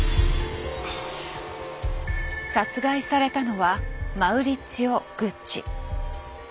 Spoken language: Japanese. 殺害されたのはマウリッツィオ・グッチ。